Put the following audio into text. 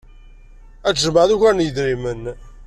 Ad tjemɛed ugar n yedrimen.